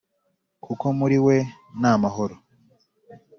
kuko muri we nta mahoro